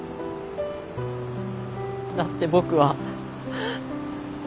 だって僕は。